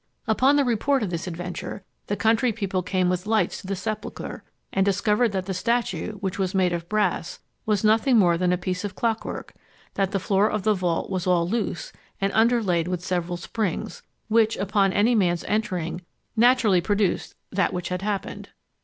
Upon the report of this adventure, the country people came with lights to the sepulchre, and discovered that the statue, which was made of brass, was nothing more than a piece of clock work; that the floor of the vault was all loose, and underlaid with several springs, which, upon any man's entering, naturally produced that which had happened.